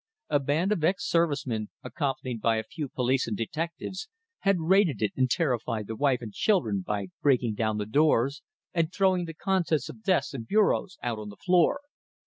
A band of ex service men, accompanied by a few police and detectives, had raided it and terrified the wife and children by breaking down the doors and throwing the contents of desks and bureaus out on the floor.